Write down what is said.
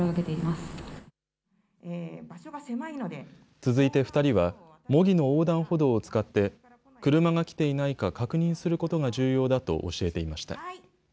続いて２人は模擬の横断歩道を使って車が来ていないか確認することが重要だと教えていました。